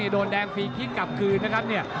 โดนแดงฟรีคลิกกลับคืนนะครับเนี่ย